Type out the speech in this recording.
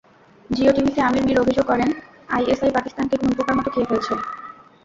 জিয়ো টিভিতে আমির মির অভিযোগ করেন, আইএসআই পাকিস্তানকে ঘুণপোকার মতো খেয়ে ফেলছে।